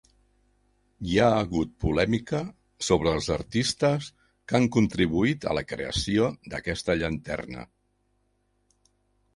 Hi ha hagut polèmica sobre els artistes que han contribuït a la creació d'aquesta llanterna.